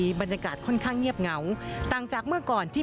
บริเวณหน้าสารพระการอำเภอเมืองจังหวัดลบบุรี